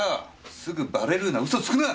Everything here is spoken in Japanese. すぐバレるような嘘つくな！